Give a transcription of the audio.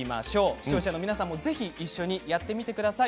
視聴者の皆さんも一緒にやってみてください。